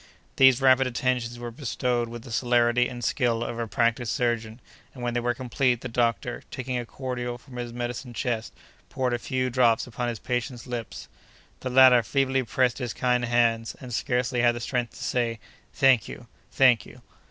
These rapid attentions were bestowed with the celerity and skill of a practised surgeon, and, when they were complete, the doctor, taking a cordial from his medicine chest, poured a few drops upon his patient's lips. The latter feebly pressed his kind hands, and scarcely had the strength to say, "Thank you! thank you!"